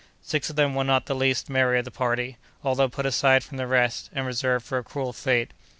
Six of them were not the least merry of the party, although put aside from the rest, and reserved for a cruel fate.